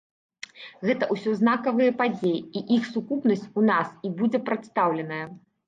Гэта ўсё знакавыя падзеі і іх сукупнасць у нас і будзе прадстаўленая.